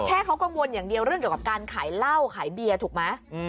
แค่เขากังวลอย่างเดียวเรื่องเกี่ยวกับการขายเหล้าขายเบียร์ถูกไหม